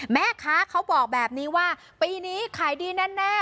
เขาบอกแบบนี้ว่าปีนี้ขายดีแน่